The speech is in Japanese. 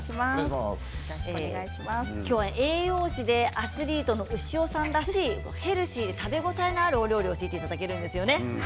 今日は、栄養士でアスリートの牛尾さんらしいヘルシーで食べ応えがあるお料理を教えていただけるんですよね。